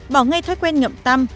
bỏ ngay thói quen ngậm tăm